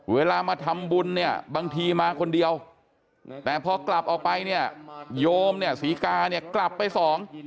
เวลามาทำบุญเนี่ยบางทีมาคนเดียวแต่พอกลับออกไปเนี่ยโยมเนี่ยศรีกาเนี่ยกลับไปสอง